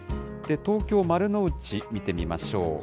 東京・丸の内、見てみましょう。